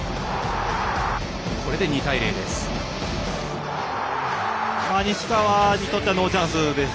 これで２対０です。